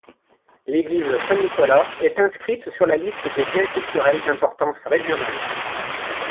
L'église Saint-Nicolas est inscrite sur la liste des biens culturels d'importance régionale.